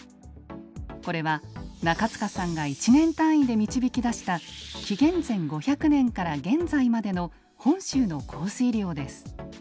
これは中塚さんが１年単位で導き出した紀元前５００年から現在までの本州の降水量です。